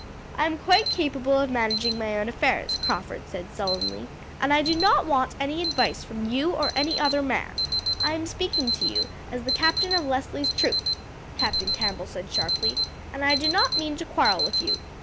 "I am quite capable of managing my own affairs," Crawford said sullenly, "and I do not want any advice from you or any other man." "I am speaking to you as the captain of Leslie's troop," Captain Campbell said sharply, "and I do not mean to quarrel with you.